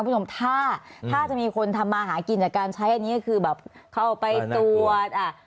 คุณผู้ชมถ้าถ้าจะมีคนทำมาหากินจากการใช้อันนี้ก็คือแบบเข้าไปตรวจอ่ะ